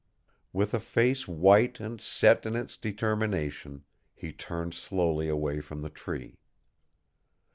With a face white and set in its determination, he turned slowly away from the tree.